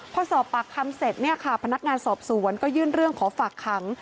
พอสอบปากคำเสร็จเนี่ยค่ะพนักงานสอบสวนก็ยื่นเรื่องขอฝากขัง